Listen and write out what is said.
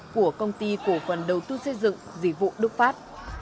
của công ty cổ phần đầu tư xây dựng dịch vụ đức pháp